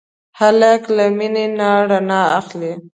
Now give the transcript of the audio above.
هلک له مینې نه رڼا اخلي.